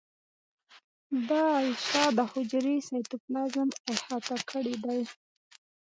دا غشا د حجرې سایتوپلازم احاطه کړی دی.